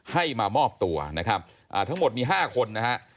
ให้มามอบตัวนะครับทั้งหมดมี๕คนนะฮะ